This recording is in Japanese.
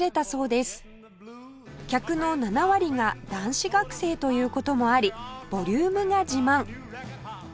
客の７割が男子学生という事もありボリュームが自慢